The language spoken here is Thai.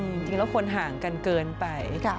มันควรห่างกันเกินไป